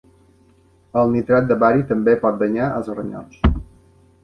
El nitrat de bari també pot danyar els ronyons.